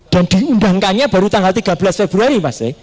dan diundangkannya baru tanggal tiga belas februari